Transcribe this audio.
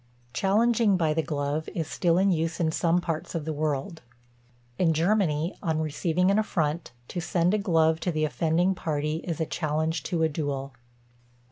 Challenging by the glove is still in use in some parts of the world. In Germany, on receiving an affront, to send a glove to the offending party is a challenge to a duel.